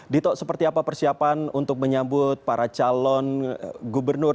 dito seperti apa persiapan untuk menyambut para calon gubernur